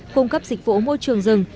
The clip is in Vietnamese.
cung cấp dịch vụ môi trường rừng